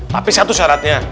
tapi satu syaratnya